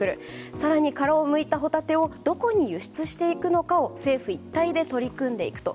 更に、殻をむいたホタテをどこに輸出していくのかを政府一体で取り組んでいくと。